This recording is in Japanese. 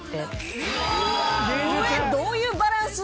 上どういうバランス⁉